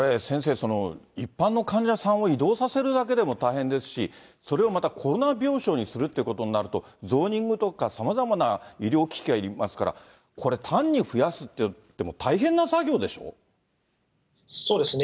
先生、一般の患者さんを移動させるだけでも大変ですし、それをまたコロナ病床にするということになると、ゾーニングとか、さまざまな医療機器がいりますから、これ、単に増やすといっても、大変な作業でしょう。